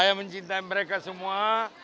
saya mencintai mereka semua